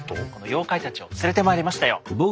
妖怪たちを連れてまいりましたよ。